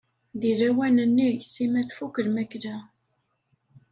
Deg lawan-nni Sima tfuk lmakla.